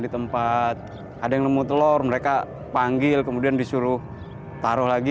di tempat ada yang nemu telur mereka panggil kemudian disuruh taruh lagi